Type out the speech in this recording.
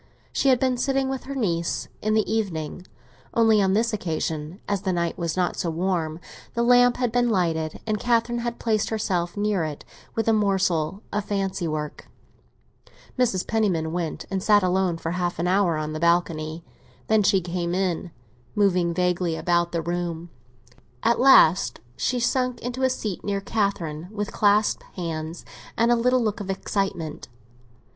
She had been sitting with her niece in the evening; only on this occasion, as the night was not so warm, the lamp had been lighted, and Catherine had placed herself near it with a morsel of fancy work. Mrs. Penniman went and sat alone for half an hour on the balcony; then she came in, moving vaguely about the room. At last she sank into a seat near Catherine, with clasped hands, and a little look of excitement.